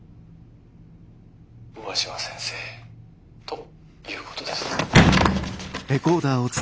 上嶋先生ということです」。